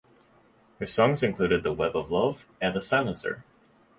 Her songs included "The Web of Love" and "The Silencer".